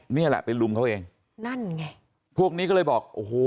นี่แหละไปลุมเขาเองนั่นไงพวกนี้ก็เลยบอกโอ้โห